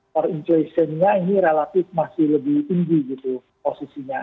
core inflationnya ini relatif masih lebih tinggi gitu posisinya